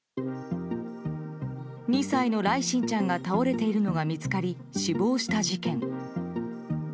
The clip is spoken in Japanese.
２歳の來心ちゃんが倒れているのが見つかり死亡した事件。